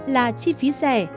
là chi phí rẻ